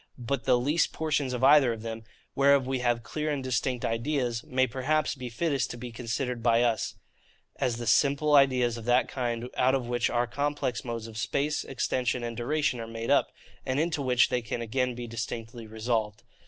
But THE LEAST PORTIONS OF EITHER OF THEM, WHEREOF WE HAVE CLEAR AND DISTINCT IDEAS, may perhaps be fittest to be considered by us, as the simple ideas of that kind out of which our complex modes of space, extension, and duration are made up, and into which they can again be distinctly resolved.